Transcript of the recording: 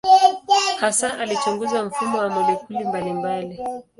Hasa alichunguza mfumo wa molekuli mbalimbali.